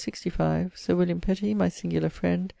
☞ Sir William Petty, my singular friend.